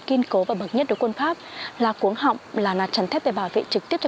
kiên cố và bậc nhất đối với quân pháp là cuốn họng là nạt chắn thép về bảo vệ trực tiếp cho